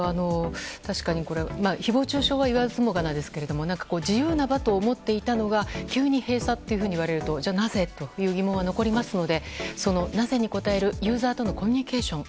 誹謗中傷は言わずもがなですが自由な場と思っていたのが急に閉鎖といわれるとなぜという疑問は残りますのでなぜに応えるユーザーとのコミュニケーション